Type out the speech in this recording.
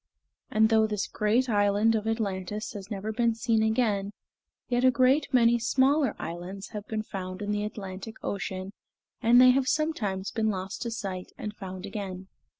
And though this great island of Atlantis has never been seen again, yet a great many smaller islands have been found in the Atlantic Ocean, and they have sometimes been lost to sight and found again.